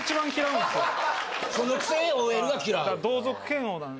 そのくせＯＬが嫌う。